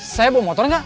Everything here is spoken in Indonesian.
saya mau motor gak